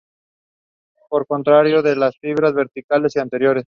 Por contracción de las fibras verticales y anteriores.